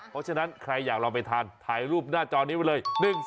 เพราะฉะนั้นใครอยากลองไปทานถ่ายรูปหน้าจอนี้ไว้เลย